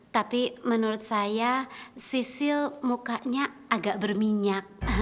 tapi menurut saya sisil mukanya agak berminyak